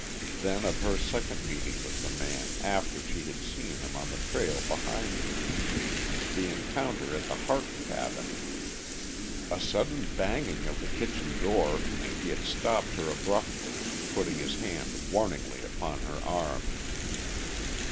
Then of her second meeting with the man after she had seen him on the trail behind her, the encounter at the Harte cabin.... A sudden banging of the kitchen door, and he had stopped her abruptly, putting his hand warningly upon her arm.